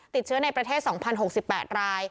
ติดเชื้อในประเทศ๒๐๖๘ราย